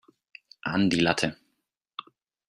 An die Latte!